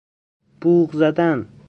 بوق زدن